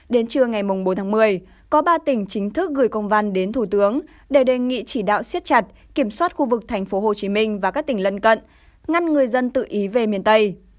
đến trưa ngày bốn tháng một mươi có ba tỉnh chính thức gửi công văn đến thủ tướng để đề nghị chỉ đạo siết chặt kiểm soát khu vực thành phố hồ chí minh và các tỉnh lân cận ngăn người dân tự ý về miền tây